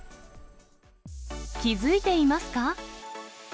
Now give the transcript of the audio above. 気付いていますか？